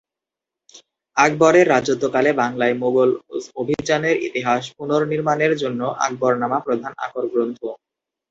আকবরের রাজত্বকালে বাংলায় মুগল অভিযানের ইতিহাস পুননির্মানের জন্য আকবরনামা প্রধান আকর গ্রন্থ।